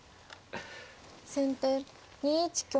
先手２一香成。